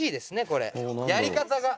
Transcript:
これやり方が」